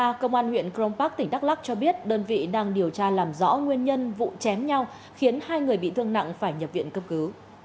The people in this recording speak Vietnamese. hôm nay một mươi bốn tháng ba công an huyện cron park tỉnh đắk lắc cho biết đơn vị đang điều tra làm rõ nguyên nhân vụ chém nhau khiến hai người bị thương nặng phải nhập viện cấp cứ